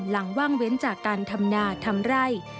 ว่างเว้นจากการทำนาทำไร่